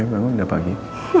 bangun udah pagi